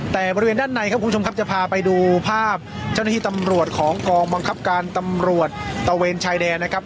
แต่บริเวณด้านในครับคุณผู้ชมครับจะพาไปดูภาพเจ้าหน้าที่ตำรวจของกองบังคับการตำรวจตะเวนชายแดนนะครับ